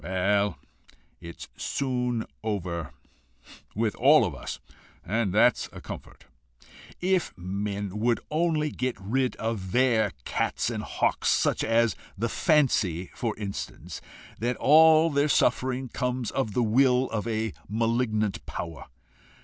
Well, it's soon over with all of us, and that's a comfort. If men would only get rid of their cats and hawks, such as the fancy for instance, that all their suffering comes of the will of a malignant power!